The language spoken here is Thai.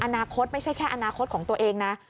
อนาคตไม่ใช่แค่อนาคตของตัวเองนะ